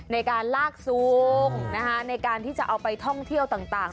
ในการลากซูมในการที่จะเอาไปท่องเที่ยวต่าง